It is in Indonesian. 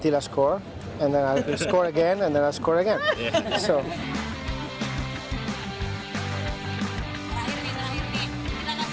dan kemudian saya menang lagi dan kemudian saya menang lagi